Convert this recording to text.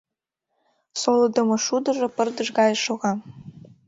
Солыдымо шудыжо пырдыж гае шога.